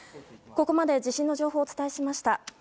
ここまで地震の情報をお伝えしました。